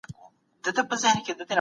آيا تاسو کولی شئ چې زما تر کوره راشئ؟